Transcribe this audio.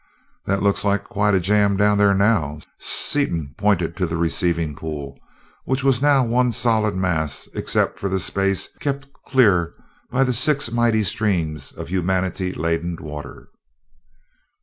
"That looks like quite a jam down there now." Seaton pointed to the receiving pool, which was now one solid mass except for the space kept clear by the six mighty streams of humanity laden water.